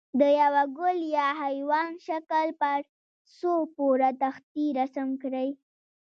د یوه ګل یا حیوان شکل پر څو پوړه تختې رسم کړئ.